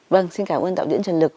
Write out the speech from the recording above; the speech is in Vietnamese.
vâng xin cảm ơn tạo diễn trần lực